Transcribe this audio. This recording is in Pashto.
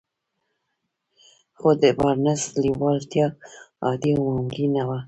خو د بارنس لېوالتیا عادي او معمولي نه وه.